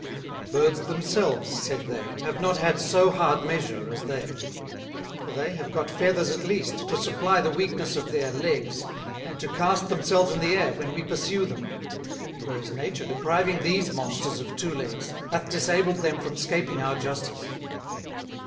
"Birds themselves," said they, "have not had so hard measure as they; for they have got Feathers at least, to supply the weakness of their, Legs, and to cast themselves in the Air when we pursue them; whereas Nature, depriving these Monsters of Two Legs, hath disabled them from scaping our Justice.